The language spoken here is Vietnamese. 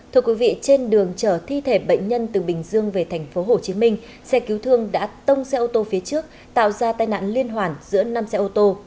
thưa quý vị trên đường chở thi thể bệnh nhân từ bình dương về tp hcm xe cứu thương đã tông xe ô tô phía trước tạo ra tai nạn liên hoàn giữa năm xe ô tô